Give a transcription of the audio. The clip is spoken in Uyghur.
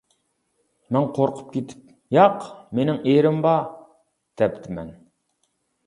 مەن قورقۇپ كېتىپ: «ياق، مېنىڭ ئېرىم بار» دەپتىمەن.